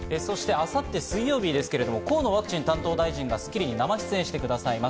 明後日水曜日ですけど、河野ワクチン担当大臣が『スッキリ』に生出演してくださいます。